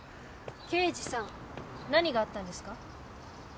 刑事さん何があったんですか？